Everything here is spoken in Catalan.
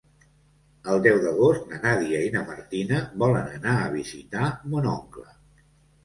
El deu d'agost na Nàdia i na Martina volen anar a visitar mon oncle.